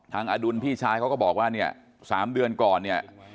อดุลพี่ชายเขาก็บอกว่าเนี่ย๓เดือนก่อนเนี่ย